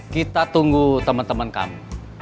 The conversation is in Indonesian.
kita tunggu teman teman kami